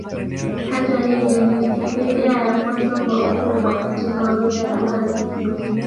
Hata hivyo, ni Wikipedia ya kwanza kwa ukubwa katika orodha ya Lugha za Kirumi.